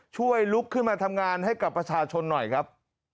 ช่วยลุกขึ้นมาทำงานให้กับประชาชนหน่อยครับ